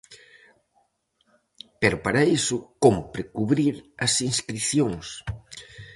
Pero para iso, cómpre cubrir as inscricións.